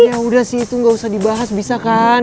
ya udah sih itu nggak usah dibahas bisa kan